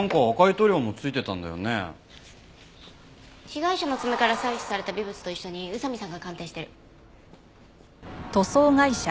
被害者の爪から採取された微物と一緒に宇佐見さんが鑑定してる。